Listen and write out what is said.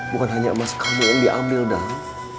bukan hanya emas kamu yang diambil dong